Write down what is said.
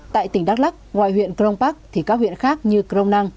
tại tỉnh đắk lắk ngoài huyện cron park thì các huyện khác như cron năng